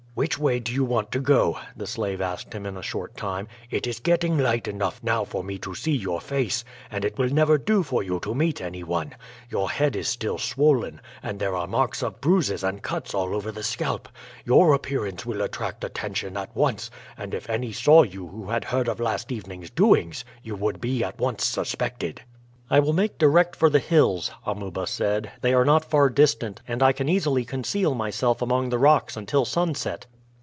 "Which way do you want to go?" the slave asked him in a short time. "It is getting light enough now for me to see your face, and it will never do for you to meet any one. Your head is still swollen, and there are marks of bruises and cuts all over the scalp. Your appearance will attract attention at once, and if any saw you who had heard of last evening's doings you would be at once suspected." "I will make direct for the hills," Amuba said. "They are not far distant, and I can easily conceal myself among the rocks until sunset."